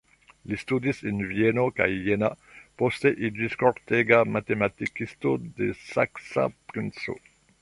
Li studis en Vieno kaj Jena, poste iĝis kortega matematikisto de saksa princo.